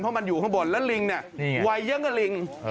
เพราะมันอยู่ข้างบนแล้วลิงเนี่ยวัยเยอะกว่าลิง